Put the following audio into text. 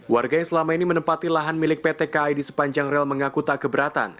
warga yang selama ini menempati lahan milik pt kai di sepanjang rel mengaku tak keberatan